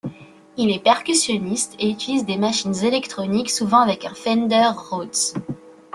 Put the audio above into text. Il est percussionniste et utilise des machines électroniques, souvent avec un Fender Rhodes.